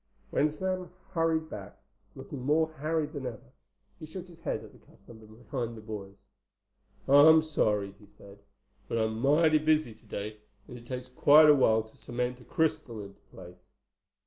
When Sam hurried back, looking more harried than ever, he shook his head at the customer behind the boys. "I'm sorry," he said, "but I'm mighty busy today, and it takes quite awhile to cement a crystal into place."